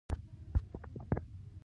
غوښتل یې څه پر ولیکم.